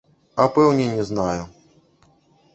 А пэўне не знаю.